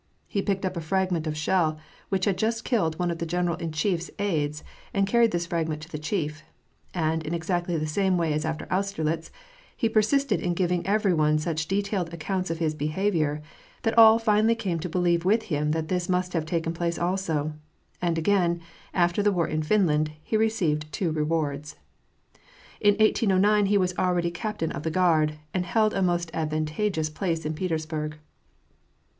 He picked up a fragment of shell which had just killed one of the general in chief's aides, and carried this fragment to the chief. And in exactly the same way as after Austerlitz, he persisted in giving every one such detailed accounts of his behavior, that all came finally to believe with him that this must have taken place also ; and again, after the war in Finland, he received two rewards. In 1809 he was already captain of the Guard, and held a most advantageous place in Petersburg.